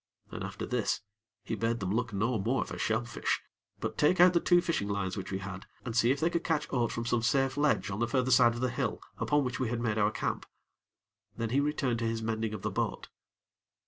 And after this, he bade them look no more for shellfish; but take out the two fishing lines which we had, and see if they could catch aught from some safe ledge on the further side of the hill upon which we had made our camp. Then he returned to his mending of the boat.